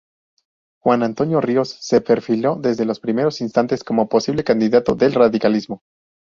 Juan Antonio Ríos se perfiló desde los primeros instantes como posible candidato del radicalismo.